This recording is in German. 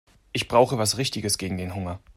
Ich brauche was Richtiges gegen den Hunger.